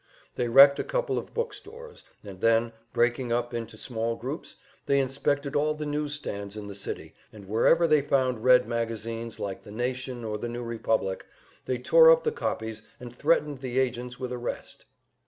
They wrecked a couple of book stores, and then, breaking up into small groups, they inspected all the news stands in the city, and wherever they found Red magazines like the Nation or the New Republic, they tore up the copies and threatened the agents with arrest.